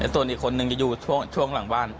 ส่วนอีกคนนึงจะอยู่ช่วงหลังบ้าน